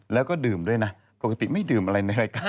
แล้วก็ดื่มด้วยนะปกติไม่ดื่มอะไรในรายการ